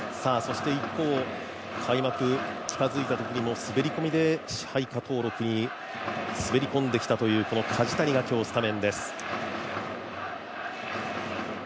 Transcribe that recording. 一方、開幕のときも滑り込みで支配下登録に滑り込んできたという梶谷が今日スタメンです。